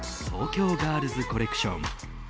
東京ガールズコレクション。